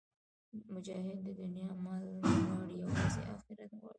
مجاهد د دنیا مال نه غواړي، یوازې آخرت غواړي.